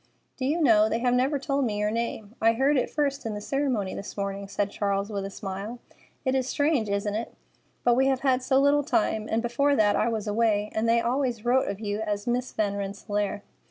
"Do you know, they have never told me your name. I heard it first in the ceremony this morning," said Charles, with a smile. "It is strange, isn't it? But we have had so little time, and before that I was away, and they always wrote of you as 'Miss Van Rensselaer.